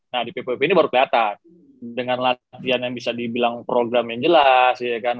nah di ppp ini baru kelihatan dengan latihan yang bisa dibilang program yang jelas ya kan